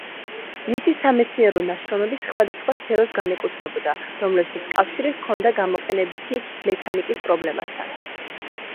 მისი სამეცნიერო ნაშრომები სხვადასხვა სფეროს განეკუთვნებოდა, რომლებსაც კავშირი ჰქონდა გამოყენებითი მექანიკის პრობლემებთან.